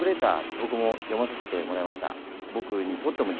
僕も読まさせてもらいました。